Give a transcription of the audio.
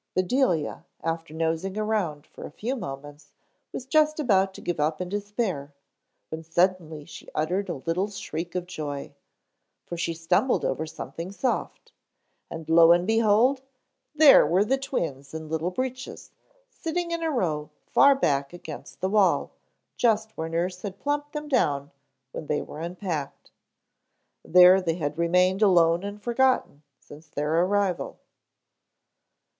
Bedelia after nosing around for a few moments was just about to give up in despair, when suddenly she uttered a little shriek of joy. For she stumbled over something soft, and lo and behold! there were the twins and Little Breeches, sitting in a row far back against the wall, just where nurse had plumped them down when they were unpacked. There they had remained alone and forgotten since their arrival.